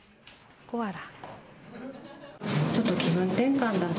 コアラ。